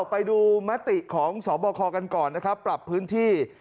ไปดูมติของสบคกันก่อนนะครับปรับพื้นที่